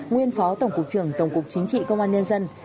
nguyên phó tổng cục trưởng tổng cục chính trị công an nhân dân